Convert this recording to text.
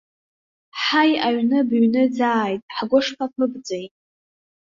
Ҳаи аҩны быҩныӡааит, ҳгәы шԥаԥыбҵәеи.